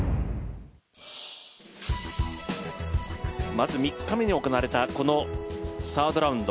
まず、３日目に行われたサードラウンド。